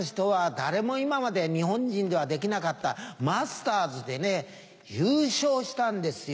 誰も今まで日本人ではできなかったマスターズで優勝したんですよ